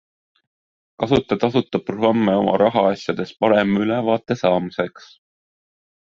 Kasuta tasuta programme oma rahaasjadest parema ülevaate saamiseks.